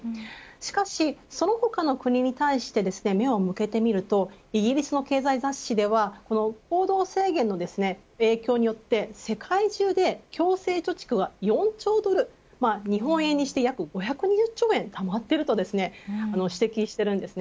しかし、その他の国に対して目を向けてみるとイギリスの経済雑誌では行動制限の影響によって世界中で強制貯蓄が４兆ドル日本円にしておよそ５２０兆円たまっていると指摘しています。